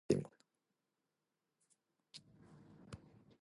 Tamisier also developed progressive rifling.